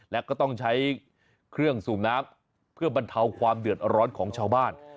และก็ต้องใช้เครื่องสูบน้ำเพื่อบรรเทาความเดือดร้อนของชาวบ้าน